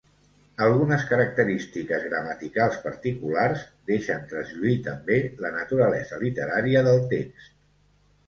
Algunes característiques gramaticals particulars deixen traslluir també la naturalesa literària del text.